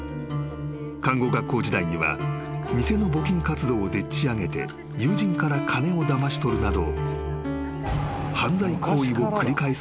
［看護学校時代には偽の募金活動をでっち上げて友人から金をだまし取るなど］